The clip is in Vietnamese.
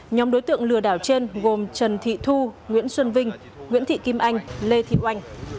nhóm đối tượng lừa đảo trên gồm trần thị thu nguyễn xuân vinh nguyễn thị kim anh lê thị oanh